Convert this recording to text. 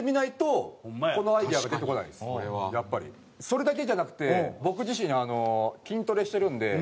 それだけじゃなくて僕自身筋トレしてるんで。